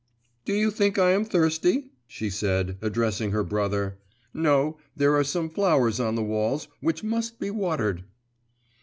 'Do you think I am thirsty?' she said, addressing her brother; 'no; there are some flowers on the walls, which must be watered.